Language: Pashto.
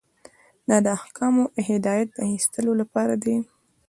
دا د احکامو او هدایت د اخیستلو لپاره دی.